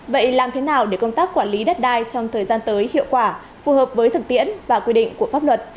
vậy làm thế nào để công tác quản lý đất đai trong thời gian tới hiệu quả phù hợp với thực tiễn và quy định của pháp luật